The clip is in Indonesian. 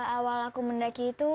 awal aku mendaki itu